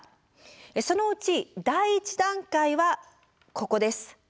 そのうち第１段階はここです。